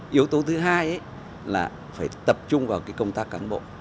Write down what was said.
yếu tố thứ hai là phải tập trung vào công tác cán bộ